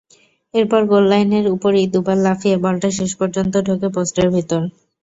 এরপর গোললাইনের ওপরই দুবার লাফিয়ে বলটা শেষ পর্যন্ত ঢোকে পোস্টের ভেতর।